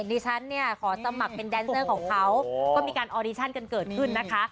นี่ฉันเนี้ยขอสมัครเป็นแดนเซอร์ของเขาก็มีการกันเกิดขึ้นนะคะ